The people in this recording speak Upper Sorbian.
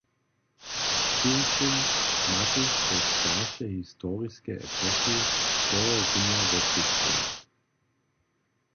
Přiwšěm matej so starše historiske epochi tohorunja wobkedźbować.